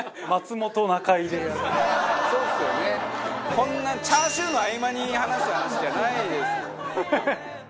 こんなチャーシューの合間に話す話じゃないですよ。